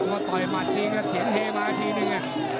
พอต่อยมาจริงแล้วเสียงเฮมาทีนึง